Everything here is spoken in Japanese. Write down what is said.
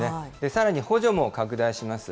さらに補助も拡大します。